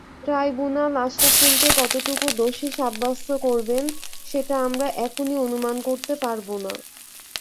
Tribunal আশরাফুলকে কতটুকু দোষী সাব্যস্ত করবেন, সেটা আমরা এখনই অনুমান করতে পারব না।